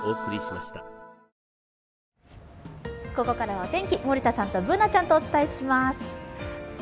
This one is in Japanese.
ここからはお天気森田さんとＢｏｏｎａちゃんとお伝えします。